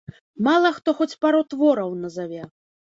Мала хто хоць пару твораў назаве.